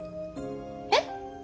えっ！？